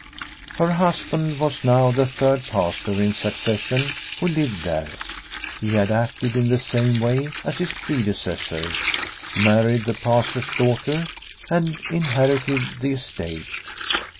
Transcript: Her husband was now the third Pastor in succession who lived there. He had acted in the same way as his predecessors, married the Pastor's daughter and inherited the estate.